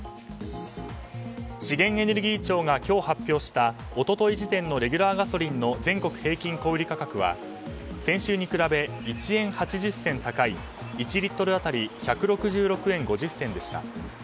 資源エネルギー庁が今日発表した一昨日時点のレギュラーガソリンの全国平均の小売価格は先週に比べ１円８０銭高い１リットル当たり１６６円５０銭でした。